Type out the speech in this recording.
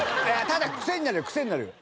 ただ癖になるよ癖になるよ。